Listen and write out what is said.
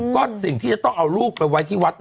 ก็สิ่งที่จะต้องเอาลูกไปไว้ที่วัด